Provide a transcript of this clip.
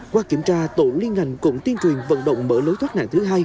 qua kiểm tra tổ liên ngành cũng tiên truyền vận động mở lối thoát nạn thứ hai